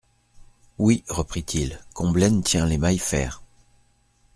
Oui, reprit-il, Combelaine tient les Maillefert.